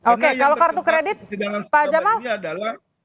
oke kalau kartu kredit pak jamal